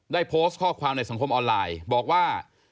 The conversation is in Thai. ได้โพสต์ข้อความในสังคมออนไลน์บอกว่า